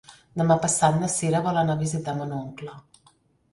Demà passat na Sira vol anar a visitar mon oncle.